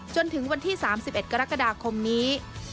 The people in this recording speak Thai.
จนถึงวันที่๓๑กรกฎาคมนี้